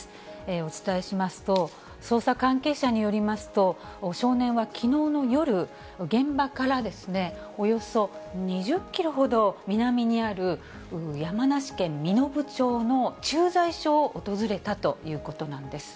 お伝えしますと、捜査関係者によりますと、少年はきのうの夜、現場からおよそ２０キロほど南にある、山梨県身延町の駐在所を訪れたということなんです。